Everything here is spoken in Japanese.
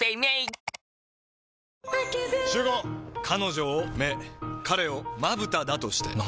彼女を目彼をまぶただとして。